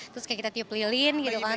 terus kayak kita tiup lilin gitu kan